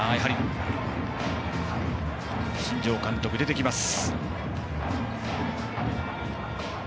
新庄監督、出てきます。